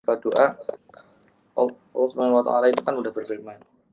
kalo doa allah swt itu kan udah berklimat